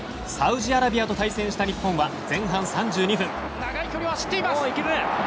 サウジアラビアと対戦した日本は前半３２分。